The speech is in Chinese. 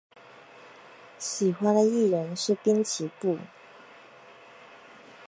喜欢的艺人是滨崎步。